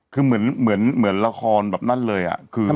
คือเหมือนละครแบบนั่นเลย